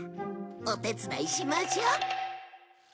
お手伝いしましょ。